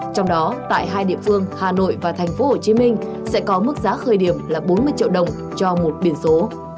trong đó tại hai địa phương hà nội và thành phố hồ chí minh sẽ có mức giá khởi điểm là bốn mươi triệu đồng cho một biển số